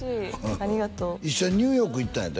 ありがとう一緒にニューヨーク行ったんやて？